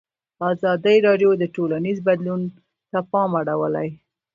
ازادي راډیو د ټولنیز بدلون ته پام اړولی.